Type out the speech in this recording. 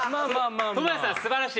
倫也さん素晴らしい。